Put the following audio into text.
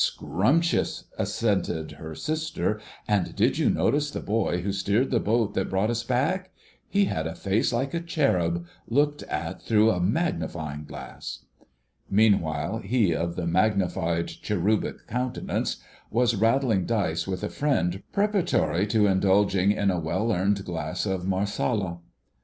"Scrumptious!" assented her sister. "And did you notice the boy who steered the boat that brought us back?—he had a face like a cherub looked at through a magnifying glass!" Meanwhile, he of the magnified cherubic countenance was rattling dice with a friend preparatory to indulging in a well earned glass of Marsala.